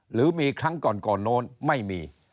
หรือมีครั้งก่อนก่อนโน้นไม่มี